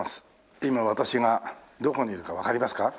今私がどこにいるかわかりますか？